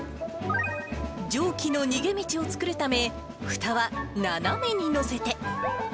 蒸気の逃げ道を作るため、ふたは斜めに載せて。